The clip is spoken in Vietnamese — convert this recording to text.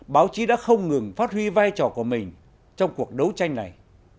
báo chí đã không ngừng phát huy vai trò của mình trong cuộc đấu tranh này